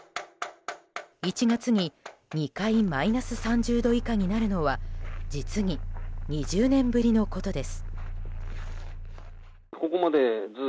１月に２回マイナス３０度以下になるのは実に２０年ぶりのことです。